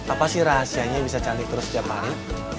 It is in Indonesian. apa sih rahasianya bisa cantik terus setiap hari